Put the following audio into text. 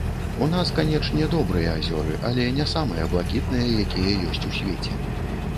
У нас, канечне, добрыя азёры, але не самыя блакітныя, якія ёсць у свеце.